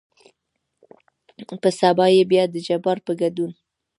په سبا يې بيا دجبار په ګدون